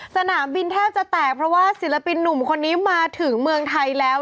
สนามบินแทบจะแตกเพราะว่าศิลปินหนุ่มคนนี้มาถึงเมืองไทยแล้ว